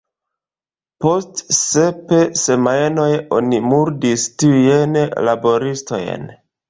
Post sep semajnoj oni murdis tiujn laboristojn.